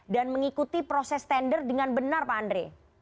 dan mengikuti proses tender dengan benar pak andre